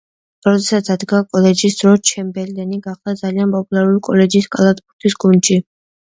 როდესაც დადგა კოლეჯის დრო, ჩემბერლენი გახდა ძალიან პოპულარული კოლეჯის კალათბურთის გუნდში.